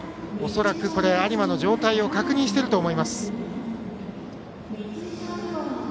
恐らく有馬の状態を確認していると思います。